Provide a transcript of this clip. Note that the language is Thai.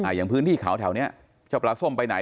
อย่างพื้นที่เขาแถวเนี้ยเจ้าปลาส้มไปไหน